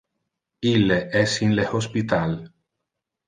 Ille es in le hospital.